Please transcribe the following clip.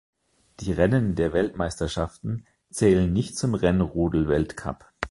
Die Rennen der Weltmeisterschaften zählen nicht zum Rennrodel-Weltcup.